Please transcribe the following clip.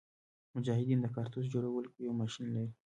مجاهدین د کارتوس جوړولو یو ماشین لري.